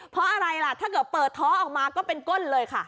เพราะอะไรล่ะถ้าเกิดเปิดท้อออกมาก็เป็นก้นเลยค่ะ